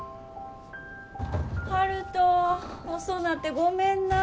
悠人遅なってごめんな。